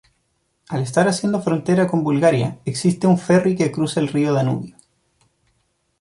Al estar haciendo frontera con Bulgaria existe un Ferry que cruza el río Danubio.